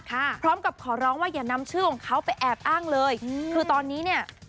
พร้อมกับขอร้องว่าอย่านำชื่อของเขาไปแอบอ้างเลยอืมคือตอนนี้เนี่ย